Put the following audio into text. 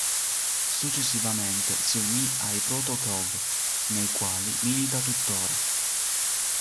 Successivamente, si unì ai Proto-Kaw, nei quali milita tuttora.